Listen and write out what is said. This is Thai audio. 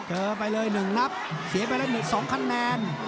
เจอไปเลยหนึ่งนับเสียไปแล้วหนึ่งสองคะแนน